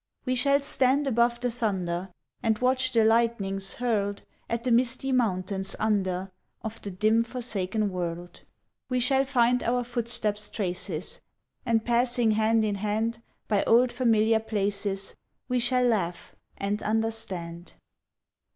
We shall stand above the thunder, And watch the lightnings hurled At the misty mountains under, Of the dim forsaken world. We shall find our footsteps' traces, And passing hand in hand By old familiar places, We shall laugh, and understand. 1881.